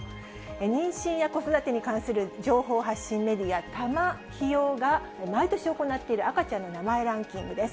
妊娠や子育てに関する情報発信メディア、たまひよが毎年行っている赤ちゃんの名前ランキングです。